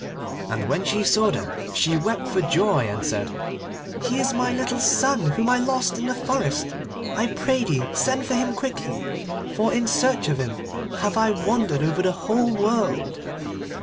And when she saw them she wept for joy, and said, 'He is my little son whom I lost in the forest. I pray thee send for him quickly, for in search of him have I wandered over the whole world.